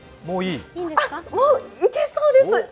もういけそうです。